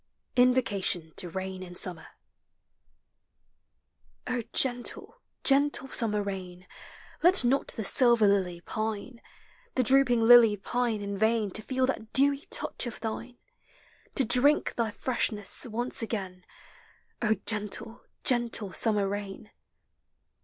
INVOCATION TO KAIX IX BUMMER O GENTLE, gentle summer ruin, Let not the silver lily pine, The drooping lily pine in vain To feel thai dewy tOUCh of thine, — To drink thy freshness once again, O gentle, gentle summer rain